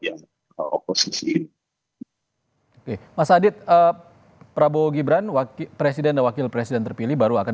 yang oposisi oke mas adit prabowo gibran wakil presiden dan wakil presiden terpilih baru akan